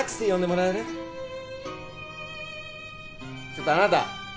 ちょっとあなた。